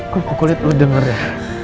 kurup ukulit lo denger ya